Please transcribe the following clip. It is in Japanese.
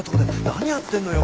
何やってんのよ